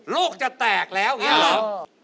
โลกจะแตกแล้วเห็นหรอ